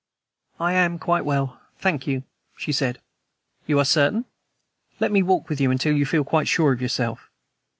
"I am quite well, thank you," she said. "You are certain? Let me walk with you until you feel quite sure of yourself."